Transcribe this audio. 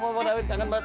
ini mas darwin